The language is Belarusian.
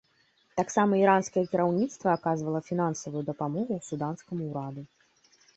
Таксама іранскае кіраўніцтва аказвала фінансавую дапамогу суданскаму ўраду.